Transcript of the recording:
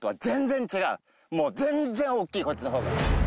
もう全然大きいこっちの方が。